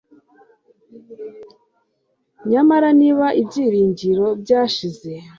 nyamara niba ibyiringiro byashize